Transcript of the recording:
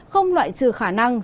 không loại trừ khả năng